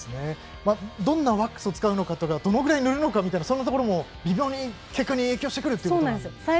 どんなワックスを使うのかとかどのぐらい塗るのかそういったところも微妙に結果に影響するということでしょうか。